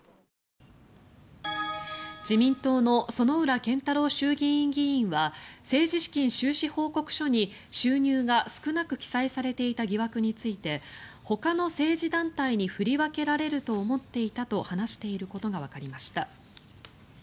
自民党の薗浦健太郎衆議院議員は政治資金収支報告書に収入が少なく記載されていた疑惑についてほかの政治団体に振り分けられると思っていたと話していることがわかりました。